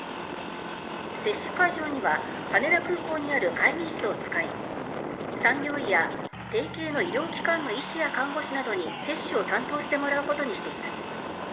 接種会場には羽田空港にある会議室を使い産業医や提携の医療機関の医師や看護師などに接種を担当してもらうことにしています。